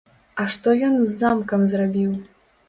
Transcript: А што ён з замкам зрабіў?